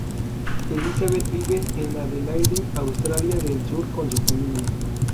Elizabeth vive en Adelaide, Australia Del sur con su familia.